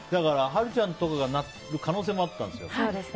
華ちゃんとかがなる可能性もあったんですよね。